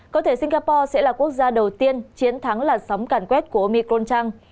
có thể singapore sẽ là quốc gia đầu tiên chiến thắng là sóng cản quét của omicron trăng